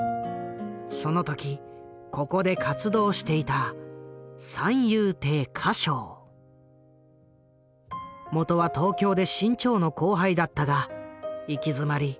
その時ここで活動していたもとは東京で志ん朝の後輩だったが行き詰まり